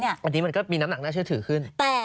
อันนี้มันก็มีน้ำหนักน่าเชื่อถือขึ้น